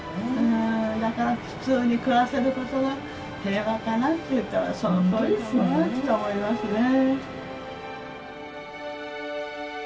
だから普通に暮らせることが平和かなというとそのとおりかもねと思いますね。